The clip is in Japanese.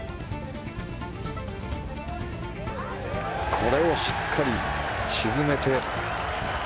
これをしっかり沈めて。